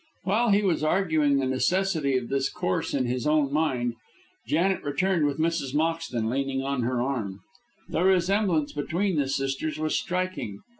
While he was arguing the necessity of this course in his own mind, Janet returned with Mrs. Moxton leaning on her arm. The resemblance between the sisters was striking.